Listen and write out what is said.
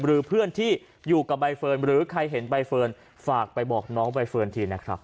หรือเพื่อนที่อยู่กับใบเฟิร์นหรือใครเห็นใบเฟิร์นฝากไปบอกน้องใบเฟิร์นทีนะครับ